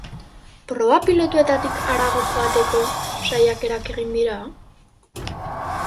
Proba pilotuetatik harago joateko saiakerak egin dira?